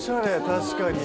確かに。